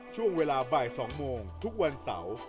ช่วงเวลาบ่าย๒โมงทุกวันเสาร์